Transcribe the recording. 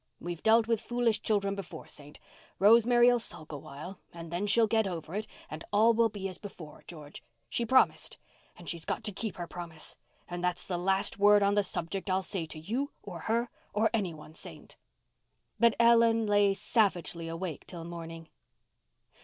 We've dealt with foolish children before, Saint. Rosemary'll sulk a while—and then she'll get over it—and all will be as before, George. She promised—and she's got to keep her promise. And that's the last word on the subject I'll say to you or her or anyone, Saint." But Ellen lay savagely awake till morning.